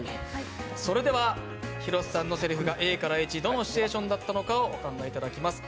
それでは広瀬さんのせりふが、ＡからＨのどのシチュエーションだったのかをお考えいただきます。